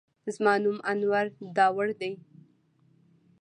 زما نوم انور داوړ دی.